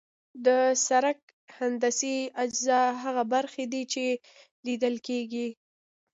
د سرک هندسي اجزا هغه برخې دي چې لیدل کیږي